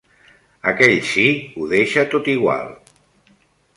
Aquell sí ho deixa tot igual.